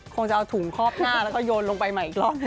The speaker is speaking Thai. คงจะเอาถุงคอบหน้าแล้วก็โยนลงไปใหม่อีกรอบ